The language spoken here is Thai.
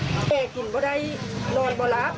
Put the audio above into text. แม่กินไม่ได้นอนไม่รับ